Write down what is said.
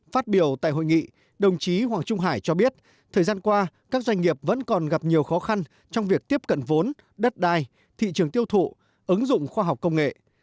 phát biểu tại hội nghị đồng chí hoàng trung hải cho biết thời gian qua các doanh nghiệp vẫn còn gặp nhiều khó khăn trong việc tiếp cận vốn đất đai thị trường tiêu thụ ứng dụng khoa học công nghệ